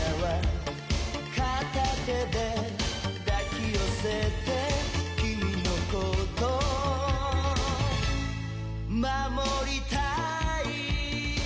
「片手で抱き寄せて君のこと守りたい」